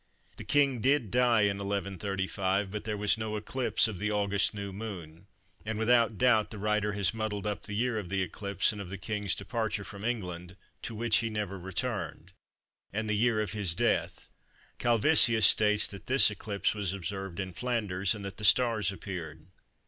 The king did die in 1135, but there was no eclipse of the August new Moon, and without doubt the writer has muddled up the year of the eclipse and of the king's departure from England (to which he never returned) and the year of his death. Calvisius states that this eclipse was observed in Flanders and that the stars appeared.